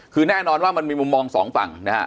คือแน่นอนว่ามันมีมุมมองสองฝั่งนะฮะ